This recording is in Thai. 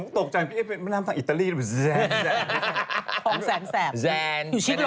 ตกใจพี่น้ำทางอิตาลีนะพี่แซนแซน